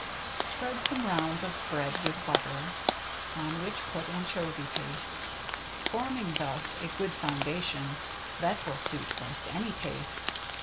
Spread some rounds of bread with butter, On which put Anchovy paste, Forming thus a good foundation That will suit most any taste.